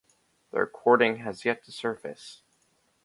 The recording has yet to surface.